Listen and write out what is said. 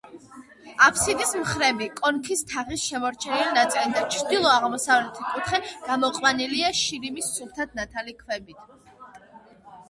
აფსიდის მხრები, კონქის თაღის შემორჩენილი ნაწილი და ჩრდილო-აღმოსავლეთი კუთხე გამოყვანილია შირიმის სუფთად ნათალი ქვებით.